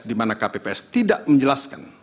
di mana kpps tidak menjelaskan